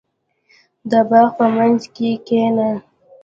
• د باغ په منځ کې کښېنه.